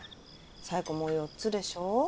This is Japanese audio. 左枝子もう４つでしょ？